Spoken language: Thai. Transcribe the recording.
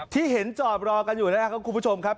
ที่เห็นจอดรอกันอยู่นะครับคุณผู้ชมครับ